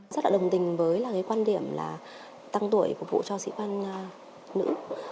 rất là đồng tình với quan điểm là tăng tuổi phục vụ cho sĩ quan nữ